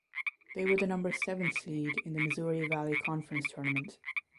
They were the number seven seed in the Missouri Valley Conference Tournament.